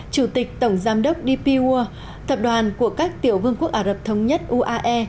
chủ tịch tổng giám đốc dpw thập đoàn của các tiểu vương quốc ả rập thống nhất uae